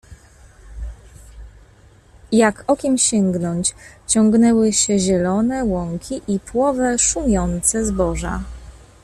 "Jak okiem sięgnąć, ciągnęły się zielone łąki i płowe, szumiące zboża."